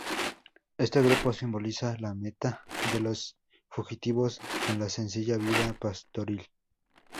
Este grupo simboliza la meta de los fugitivos en la sencilla vida pastoril.